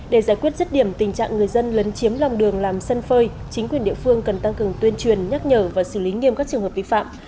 để giải quyết rứt điểm tình trạng người dân lấn chiếm lòng đường làm sân phơi chính quyền địa phương cần tăng cường tuyên truyền nhắc nhở và xử lý nghiêm các trường hợp vi phạm